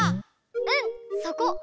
うん！そこ！